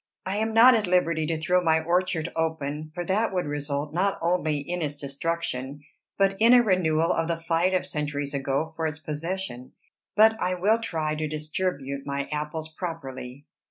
I am not at liberty to throw my orchard open, for that would result not only in its destruction, but in a renewal of the fight of centuries ago for its possession; but I will try to distribute my apples properly.